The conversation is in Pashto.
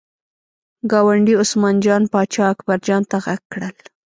ګاونډي عثمان جان پاچا اکبر جان ته غږ کړل.